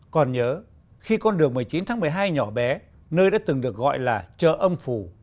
còn nhớ khi con đường một mươi chín tháng một mươi hai nhỏ bé nơi đã từng được gọi là chợ âm phủ